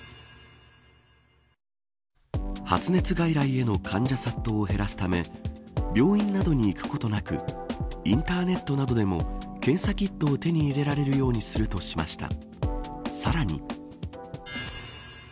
発熱外来への患者殺到を減らすため病院などに行くことなくインターネットなどでも検査キットを手に入れられるようにするとしました。